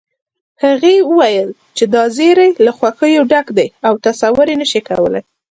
هغې وويل چې دا زيری له خوښيو ډک دی او تصور يې نشې کولی